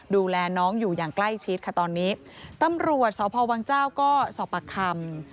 ดูแลน้องอยู่อย่างใกล้ชิดค่ะตอนนี้ตำรวจสพวังเจ้าก็สอบปากคำ